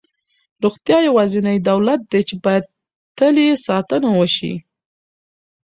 روغتیا یوازینی دولت دی چې باید تل یې ساتنه وشي.